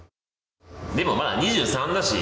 でもまだ２３だし。